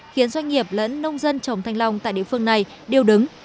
khiến doanh nghiệp lẫn nông dân trồng thanh long tại địa phương này điêu đứng